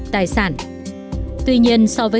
tài sản tuy nhiên so với